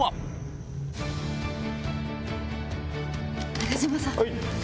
中島さん。